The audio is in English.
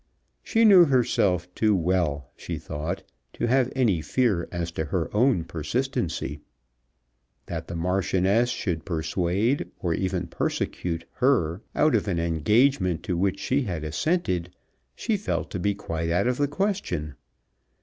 She knew herself too well, she thought, to have any fear as to her own persistency. That the Marchioness should persuade, or even persecute, her out of an engagement to which she had assented, she felt to be quite out of the question.